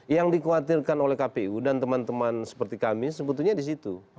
yang dikhawatirkan oleh kpu dan teman teman seperti kami sebetulnya di situ